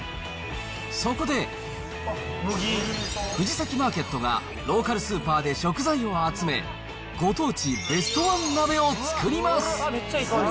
そこで、藤崎マーケットがローカルスーパーで食材を集め、ご当地ベストワン鍋を作ります。